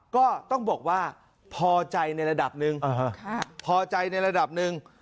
ก็ต้องบอกว่าพอใจในระดับนึง